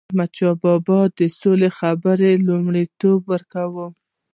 احمدشاه بابا به د سولي خبرو ته لومړیتوب ورکاوه.